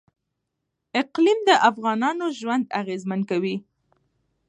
اقلیم د افغانانو ژوند اغېزمن کوي.